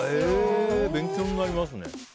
勉強になりますね。